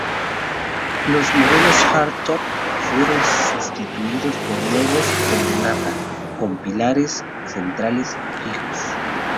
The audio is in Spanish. Los modelos Hardtop fueron sustituidos por nuevos "Columnata" con pilares centrales fijos.